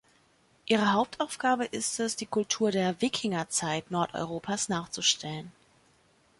Ihre Hauptaufgabe ist es, die Kultur der „Wikingerzeit“ Nordeuropas nachzustellen.